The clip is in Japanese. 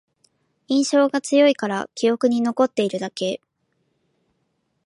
印象が強いから記憶に残ってるだけ